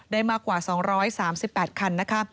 ได้มากกว่า๒๓๘คัน